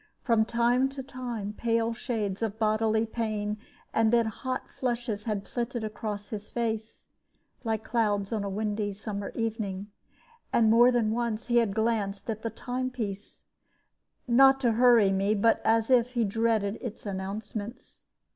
From time to time pale shades of bodily pain, and then hot flushes, had flitted across his face, like clouds on a windy summer evening. And more than once he had glanced at the time piece, not to hurry me, but as if he dreaded its announcements.